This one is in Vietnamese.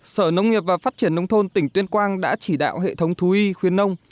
sở nông nghiệp và phát triển nông thôn tỉnh tuyên quang đã chỉ đạo hệ thống thú y khuyên nông